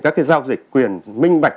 các cái giao dịch quyền minh bạch